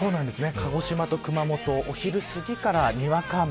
鹿児島と熊本お昼過ぎから、にわか雨。